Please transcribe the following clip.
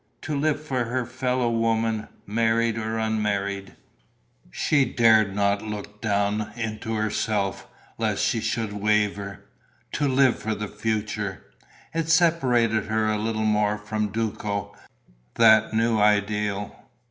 To live for her fellow women, married or unmarried!... She dared not look deep down into herself, lest she should waver. To live for the future!... It separated her a little more from Duco, that new ideal.